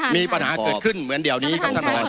มีปัญหาเกิดขึ้นเหมือนเดี๋ยวนี้ครับท่านประธาน